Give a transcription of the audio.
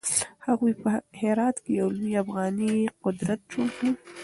هغوی په هرات کې يو لوی افغاني قدرت جوړ کړ.